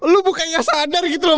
lu bukannya sadar gitu loh